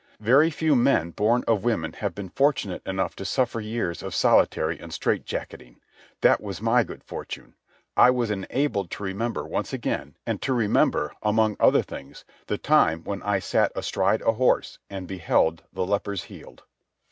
Very few men born of women have been fortunate enough to suffer years of solitary and strait jacketing. That was my good fortune. I was enabled to remember once again, and to remember, among other things, the time when I sat astride a horse and beheld the lepers healed.